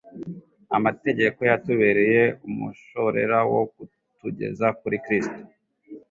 «Amategeko yatubereye umushorera wo kutugeza kuri Kristo,